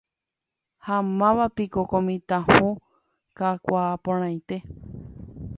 Ha mávapiko ko mitã hũ kakuaaporãite.